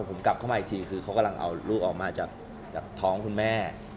ผมกลับเข้ามาอีกทีคือเขากำลังเอาลูกออกมาจากท้องคุณแม่